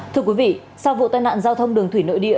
thưa quý vị sau vụ tai nạn giao thông đường thủy nội địa